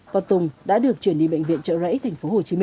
và tùng đã được chuyển đi bệnh viện trợ rẫy tp hcm